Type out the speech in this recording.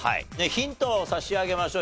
ヒントを差し上げましょう。